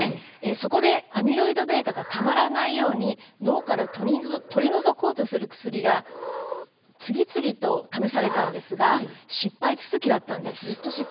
そこでアミロイドβがたまらないように脳から取り除こうとする薬が次々と試されたんですが失敗続きだったんです。